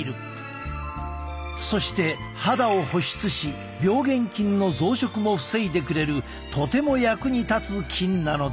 そして肌を保湿し病原菌の増殖も防いでくれるとても役に立つ菌なのだ。